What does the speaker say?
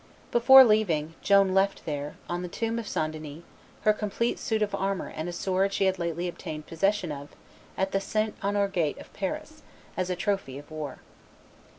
Before leaving, Joan left there, on the tomb of St. Denis, her complete suit of armor and a sword she had lately obtained possession of at the St. Honore gate of Paris, as trophy of war.